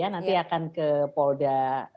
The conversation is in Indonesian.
nanti akan ke polda